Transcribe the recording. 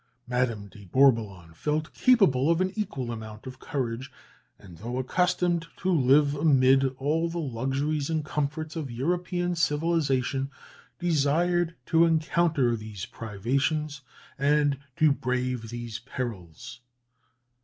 Madame de Bourboulon felt capable of an equal amount of courage, and though accustomed to live amid all the luxuries and comforts of European civilization, desired to encounter these privations, and to brave these perils.